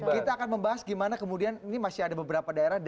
kita akan membahas bagaimana kemudian ini masih ada beberapa daerah